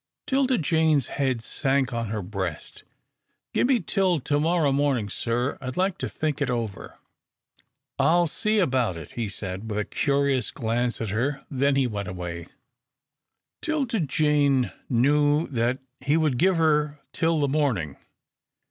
'Tilda Jane's head sank on her breast. "Gimme till to morrow morning, sir. I'd like to think it over." "I'll see about it," he said, with a curious glance at her; then he went away. 'Tilda Jane knew that he would give her till the morning.